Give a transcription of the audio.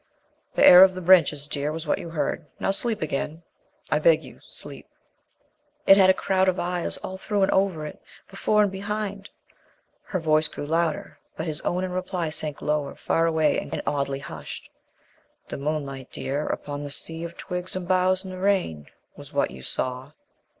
"The air of the branches, dear, was what you heard. Now, sleep again, I beg you, sleep." "It had a crowd of eyes all through and over it before and behind " Her voice grew louder. But his own in reply sank lower, far away, and oddly hushed. "The moonlight, dear, upon the sea of twigs and boughs in the rain, was what you saw."